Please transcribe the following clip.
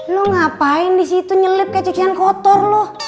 lo ngapain disitu nyelip kececihan kotor lo